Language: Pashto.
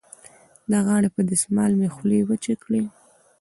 د غاړې په دستمال مې خولې وچې کړې.